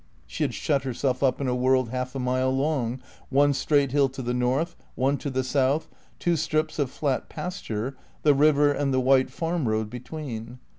She had shut herself up in a world half a mile long, one straight hill to the north, one to the south, two strips of flat pasture, the river and the white farm road between.